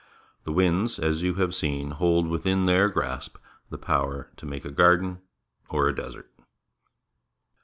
The winds, as you have seen, hold within their grasp the power to make a garden or a desert.